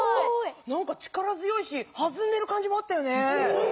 何か力強いしはずんでる感じもあったよね。